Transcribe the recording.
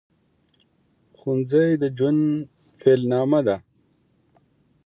ښوونځي د ژوند پیل نامه ده